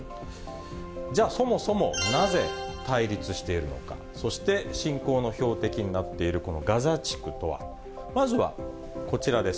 じゃあ、そもそもなぜ対立しているのか、そして、侵攻の標的になっているこのガザ地区とは。まずはこちらです。